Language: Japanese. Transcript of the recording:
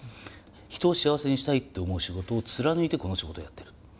人を幸せにしたいって思う仕事を貫いてこの仕事やってる。